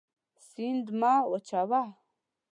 سیند مه وچوه.